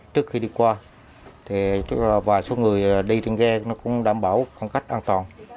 trước khi đi qua thì vài số người đi trên ghe nó cũng đảm bảo khách an toàn